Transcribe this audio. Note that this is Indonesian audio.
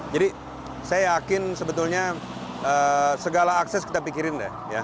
jadi saya yakin sebetulnya segala akses kita pikirin